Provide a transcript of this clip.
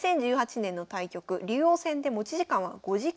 ２０１８年の対局竜王戦で持ち時間は５時間でした。